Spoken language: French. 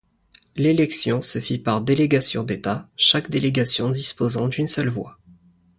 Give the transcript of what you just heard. L'élection se fit par délégation d'État, chaque délégation disposant d'une seule voix.